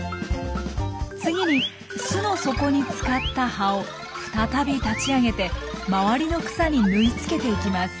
次に巣の底に使った葉を再び立ち上げて周りの草にぬい付けていきます。